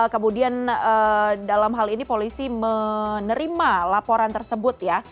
kemudian dalam hal ini polisi menerima laporan tersebut ya